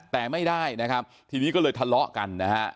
แต่ไม่ได้นะครับทีนี้ก็เลยทะเลาะกันนะฮะ